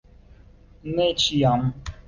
Ne ĉiam.